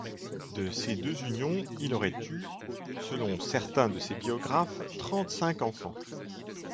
De ses deux unions, il aurait eu, selon certain de ses biographes, trente-cinq enfants.